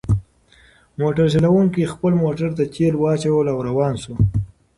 موټر چلونکي خپل موټر ته تیل واچول او روان شو.